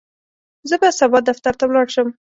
زه به سبا دفتر ته ولاړ شم.